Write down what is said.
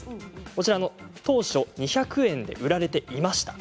こちら、当初２００円で売られていました。